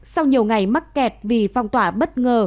sau nhiều ngày mắc kẹt vì phong tỏa bất ngờ